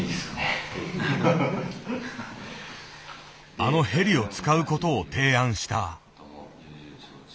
あのヘリを使う事を提案した。